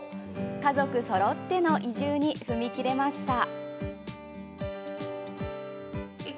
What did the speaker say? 家族そろっての移住に踏み切れました。